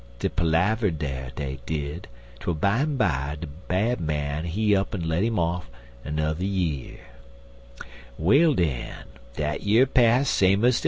Dey perlaver'd dar, dey did, twel bimeby de Bad Man he up'n let 'im off n'er year. "Well, den, dat year pass same ez t'er one.